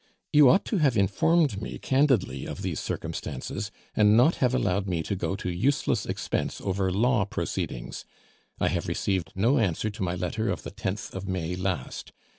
You ought to have informed me candidly of these circumstances, and not have allowed me to go to useless expense over law proceedings. I have received no answer to my letter of the 10th of May last.